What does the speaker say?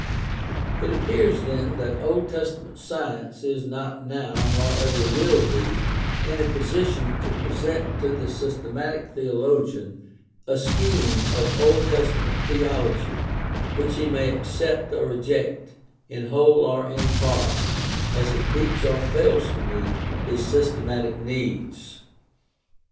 It appears then that Old Testament science is not now, nor ever will be, in a position to present to the systematic theologian a scheme of Old Testament theology which he may accept or reject in whole or in part according as it meets or fails to meet his systematic needs.